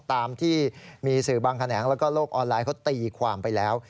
ตามที่มีสื่อบางแขนงแล้วก็โลกออนไลน์เขาตีความไปแล้ว